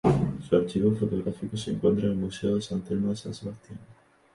Su archivo fotográfico se encuentra en el Museo de San Telmo de San Sebastián.